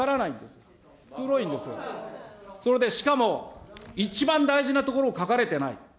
それで、しかも、一番大事なところ、書かれてない。